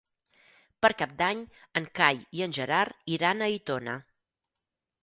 Per Cap d'Any en Cai i en Gerard iran a Aitona.